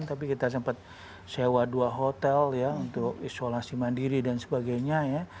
tapi kita sempat sewa dua hotel ya untuk isolasi mandiri dan sebagainya ya